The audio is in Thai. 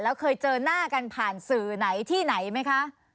แล้วเคยเจอหน้ากันผ่านสื่อไหนที่ไหนไหมคะ